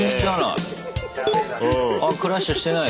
あっクラッシュしてない。